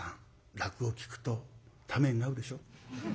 落語聴くとためになるでしょ？